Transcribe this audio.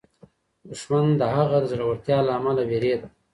دښمن د هغه د زړورتیا له امله وېرېد.